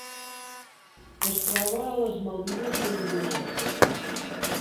Es troba a les Maldives i a Indonèsia.